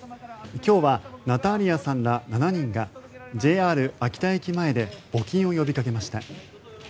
今日はナターリアさんら７人がＪＲ秋田駅前で募金を呼びかけました。